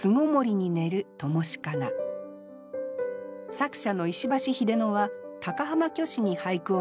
作者の石橋秀野は高浜虚子に俳句を学びました。